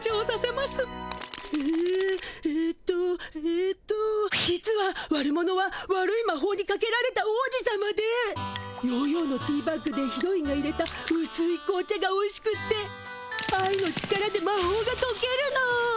えええとえと実は悪者は悪いまほうにかけられた王子さまでヨーヨーのティーバッグでヒロインがいれたうすい紅茶がおいしくって愛の力でまほうがとけるの。